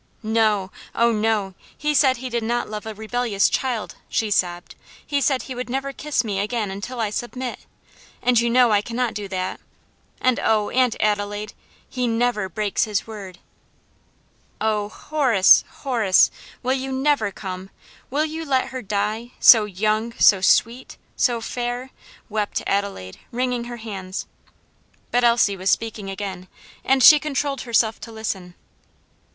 "No, oh, no! he said he did not love a rebellious child," she sobbed; "he said he would never kiss me again until I submit; and you know I cannot do that; and oh, Aunt Adelaide, he never breaks his word!" "Oh, Horace! Horace! will you never come? will you let her die? so young, so sweet, so fair!" wept Adelaide, wringing her hands. But Elsie was speaking again, and she controlled herself to listen.